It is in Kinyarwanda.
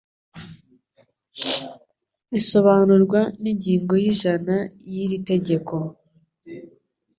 bisobanurwa n ingingo y'ijana y iri tegeko